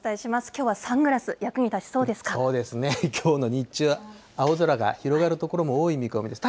きょうはサングラス、役に立ちそそうですね、きょうの日中は青空が広がる所も多い見込みです。